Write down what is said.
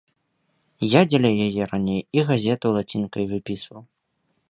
Я дзеля яе раней і газету лацінкай выпісваў.